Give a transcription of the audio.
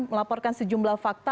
melaporkan sejumlah fakta